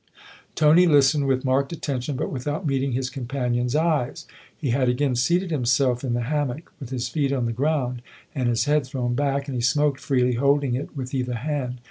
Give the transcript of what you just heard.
Tony listened with marked attention, but without meeting his companion's eyes. He had again seated himself in the hammock, with his feet on the ground and his head thrown back ; and he smoked freely, holding it with either hand.